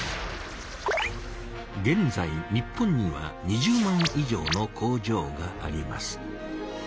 げんざい日本には２０万以上の工場があります。